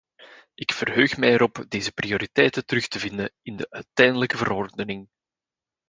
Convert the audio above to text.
Ik verheug mij erop deze prioriteiten terug te vinden in de uiteindelijke verordening.